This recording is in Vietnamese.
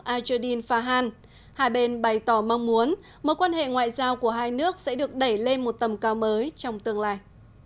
ajudin fahan hai bên bày tỏ mong muốn mối quan hệ ngoại giao của hai nước sẽ được đẩy lên một tầm cao mới trong tương lai